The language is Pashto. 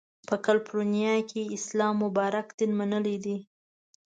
په کالیفورنیا کې یې اسلام مبارک دین منلی دی.